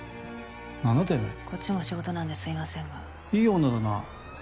なんだてめぇこっちも仕事なんですみませんがいい女だな。